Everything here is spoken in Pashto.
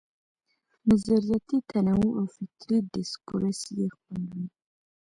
نظریاتي تنوع او فکري ډسکورس یې خپل وي.